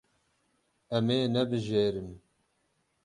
Em ê nebijêrin.